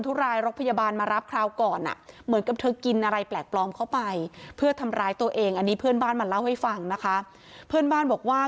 เธอเป็นโรคซึมเศร้า